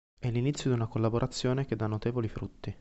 È l'inizio di una collaborazione che dà notevoli frutti.